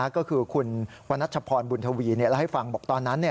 ก็คือคุณวันนัชพรบุญทวีเล่าให้ฟังบอกตอนนั้น